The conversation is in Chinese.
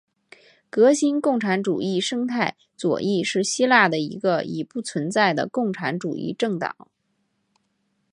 革新共产主义生态左翼是希腊的一个已不存在的共产主义政党。